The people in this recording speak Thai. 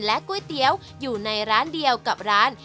ก๋วยเตี๋ยวอยู่ในร้านเดียวกับร้าน